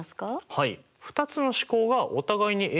はい。